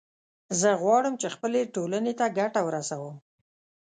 زه غواړم چې خپلې ټولنې ته ګټه ورسوم